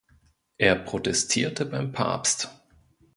Er protestierte beim Papst.